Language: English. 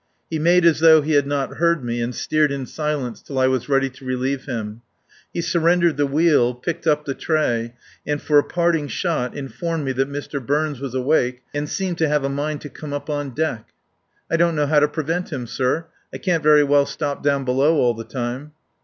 He made as though he had not heard me, and steered in silence till I was ready to relieve him. He surrendered the wheel, picked up the tray, and for a parting shot informed me that Mr. Burns was awake and seemed to have a mind to come up on deck. "I don't know how to prevent him, sir. I can't very well stop down below all the time."